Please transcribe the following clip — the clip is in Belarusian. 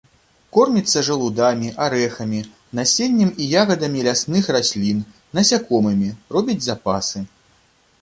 Корміцца жалудамі, арэхамі, насеннем і ягадамі лясных раслін, насякомымі, робіць запасы.